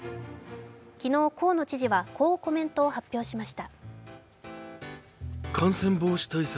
昨日、河野知事はこうコメントを発表しました。